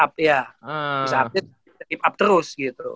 bisa keep up terus